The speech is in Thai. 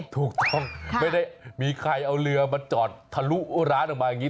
ถูกต้องไม่ได้มีใครเอาเรือมาจอดทะลุร้านออกมาอย่างนี้